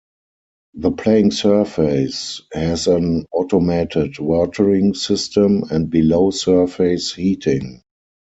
The playing surface has an automated watering system and below-surface heating.